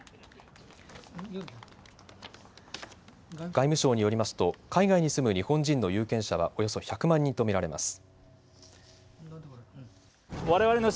外務省によりますと海外に住む日本人の有権者はおよそ１００万人と見られます。